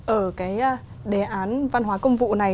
ở cái đề án văn hóa công vụ này